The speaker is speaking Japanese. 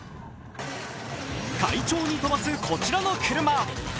快調に飛ばすこちらの車。